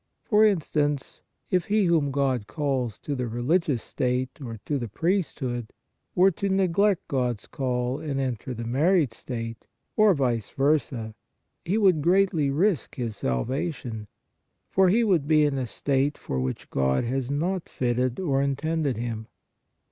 For instance, if he whom God calls to the religious state or to the priesthood, were to neglect God s call and enter the married state, or vice versa, he would greatly risk his salvation, for he would be in a state for which God had not fitted or intended him.